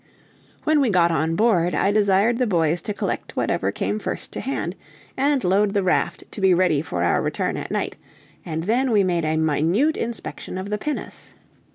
When we got on board, I desired the boys to collect whatever came first to hand, and load the raft to be ready for our return at night, and then we made a minute inspection of the pinnace.